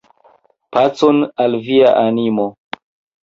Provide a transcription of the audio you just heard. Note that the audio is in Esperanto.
Pacon al via animo!